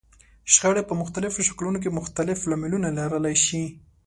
شخړې په مختلفو شکلونو کې مختلف لاملونه لرلای شي.